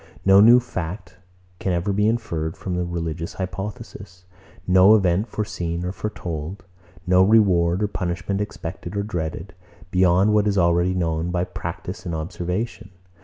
No new fact can ever be inferred from the religious hypothesis; no event foreseen or foretold; no reward or punishment expected or dreaded, beyond what is already known by practice and observation.